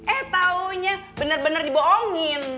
eh taunya bener bener dibohongin